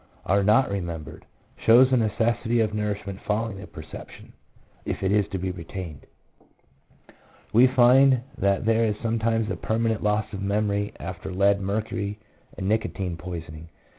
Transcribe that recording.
are not remembered, shows the necessity of nourishment following the perception, if it is to be retained. We find that there is sometimes a perman ent loss of memory after lead, mercury, and nicotine poisoning.